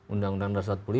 undang undang dasar lima belas